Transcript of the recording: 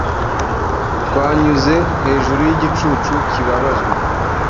Twanyuze hejuru y'igicucu kibabazwa